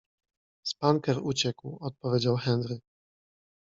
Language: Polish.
- Spanker uciekł - odpowiedział Henry.